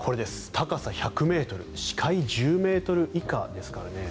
高さ１００ｍ視界１０ｍ以下ですからね。